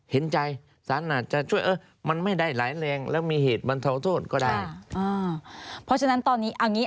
เห็นใจศาลอาจจะช่วยมันไม่ได้หลายแรง